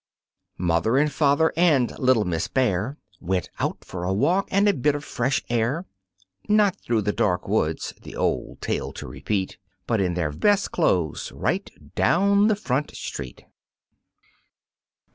Mother and father and little Miss Bear Went out for a walk and a bit of fresh air, Not through the dark woods (the old tale to repeat) But in their best clothes, right down the front street.